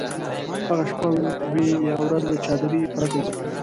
هغه شپه وي یا ورځ له چادرۍ پرته ځي.